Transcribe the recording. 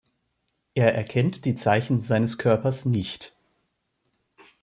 Er erkennt die Zeichen seines Körpers nicht.